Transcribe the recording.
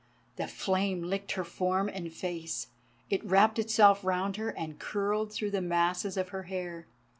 The flame licked her form and face, it wrapped itself around her, and curled through the masses of her hair.